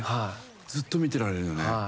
ずっと見てられるよね。